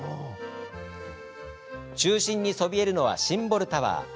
中心にそびえるのはシンボルタワー。